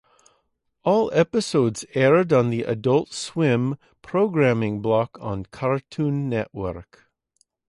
All episodes aired on the Adult Swim programming block on Cartoon Network.